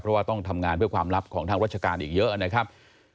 เพราะว่าต้องทำงานเพื่อความลับของทางราชการอีกเยอะนะครับ